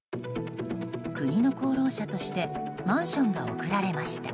国の功労者としてマンションが贈られました。